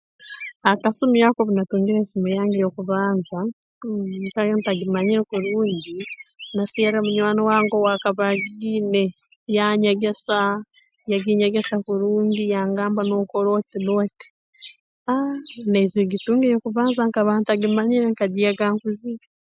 Akasumi ako obu natungire esimu yaawe y'okubanza nkaba ntagimanyire kurungi naserra munywani wange owaakaba agiine yanyegesa yaginyegesa kurungi yangamba nookora oti n'oti aah naizire kugitunga ey'okubanza nkaba ntagimanyire nkagyega nkuzire